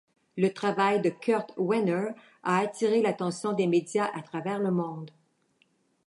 Le travail de Kurt Wenner a attiré l’attention des média à travers le monde.